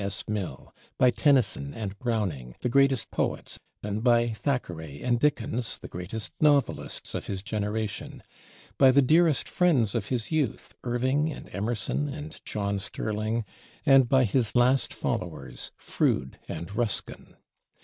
S. Mill; by Tennyson and Browning, the greatest poets, and by Thackeray and Dickens, the greatest novelists of his generation; by the dearest friends of his youth, Irving and Emerson and John Sterling, and by his last followers, Froude and Ruskin.